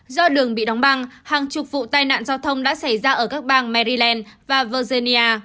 do đường bị đóng băng hàng chục vụ tai nạn giao thông đã xảy ra ở các bang maryland và virginia